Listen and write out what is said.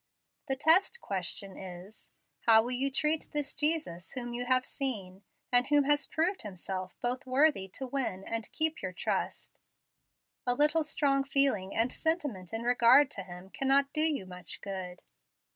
The test question is, How will you treat this Jesus whom you have seen, and who has proved Himself both worthy to win and keep your trust? A little strong feeling and sentiment in regard to Him can not do you much good.